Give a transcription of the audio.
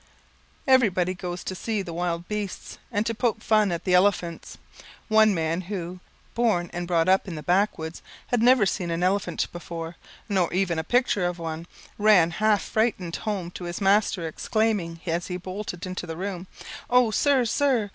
Everybody goes to see the wild beasts, and to poke fun at the elephants. One man who, born and brought up in the Backwoods, had never seen an elephant before, nor even a picture of one, ran half frightened home to his master, exclaiming as he bolted into the room, "Oh, sir! sir!